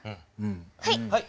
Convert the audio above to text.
はい。